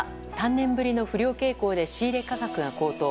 ３年ぶりの不漁傾向で仕入れ価格が高騰。